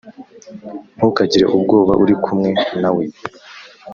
Ntukagire ubwoba uri kumwe nawe